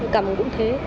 cầm cũng thế